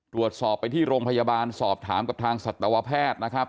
ตรวจสอบไปที่โรงพยาบาลสอบถามกับทางสัตวแพทย์นะครับ